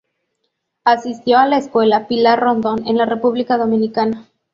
Asistió a la "Escuela Pilar Rondon" en la República Dominicana.